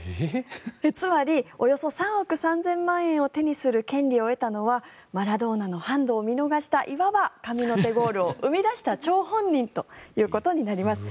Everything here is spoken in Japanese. つまりおよそ３億３０００万円を手にする権利を得たのはマラドーナのハンドを見逃したいわば神の手ゴールを生み出した張本人ということになります。